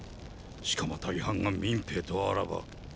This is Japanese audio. しかも大半が民兵とあらば。